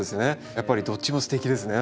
やっぱりどっちもすてきですね